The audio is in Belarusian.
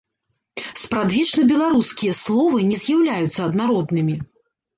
Спрадвечна беларускія словы не з'яўляюцца аднароднымі.